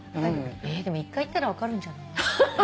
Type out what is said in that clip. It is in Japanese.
でも１回言ったら分かるんじゃない？